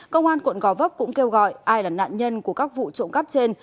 công an quận gò vấp cũng kêu gọi ai là nạn nhân của các vụ trộm cắp trên